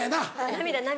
涙涙。